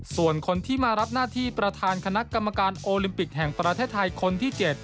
ส่วนคนที่มารับหน้าที่ประธานคณะกรรมการโอลิมปิกแห่งประเทศไทยคนที่๗